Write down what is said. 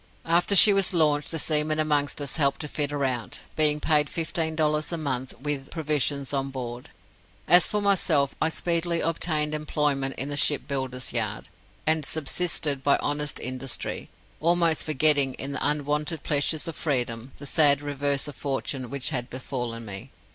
After she was launched, the seamen amongst us helped to fit her out, being paid fifteen dollars a month, with provisions on board. As for myself, I speedily obtained employment in the shipbuilder's yard, and subsisted by honest industry, almost forgetting, in the unwonted pleasures of freedom, the sad reverse of fortune which had befallen me.